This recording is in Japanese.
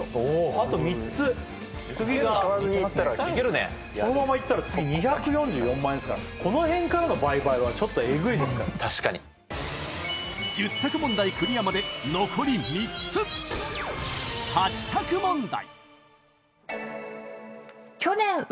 あと３ついけるねこのままいったら次２４４万円ですからこのへんからの倍買はちょっとえぐいですから確かに１０択問題クリアまで残り３つ８択問題